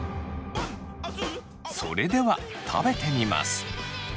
それでは食べてみます。